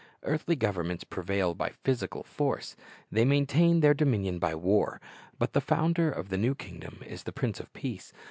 Earthly governments prevail by physical force; they maintain their dominion by war; but the founder of the new kingdom is the Prince of Peace.